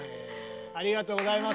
ありがとうございます。